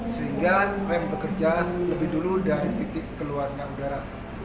sehingga rem bekerja lebih dulu dari titik keluarnya udara